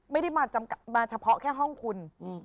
ไม่ได้มาเฉพาะแค่ห้องคุณ